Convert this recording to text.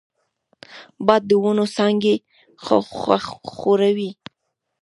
باد د ونو څانګې ښوروي